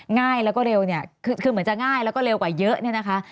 ง่ายแล้วก็เร็วคือเหมือนจะง่ายแล้วก็เร็วกว่าเยอะ